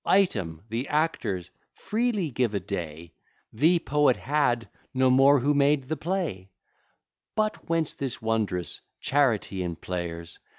Item, The actors freely give a day The poet had no more who made the play. But whence this wondrous charity in players?